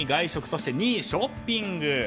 そして２位、ショッピング。